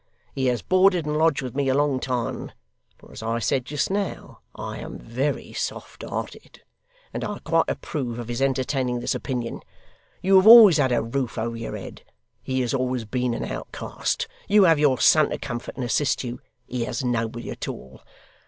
He has boarded and lodged with me a long time (for as I said just now, I am very soft hearted), and I quite approve of his entertaining this opinion. You have always had a roof over your head; he has always been an outcast. You have your son to comfort and assist you; he has nobody at all.